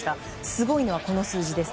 すごいのはこの数字です。